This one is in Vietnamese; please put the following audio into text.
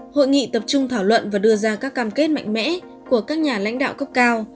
hội nghị tập trung thảo luận và đưa ra các cam kết mạnh mẽ của các nhà lãnh đạo cấp cao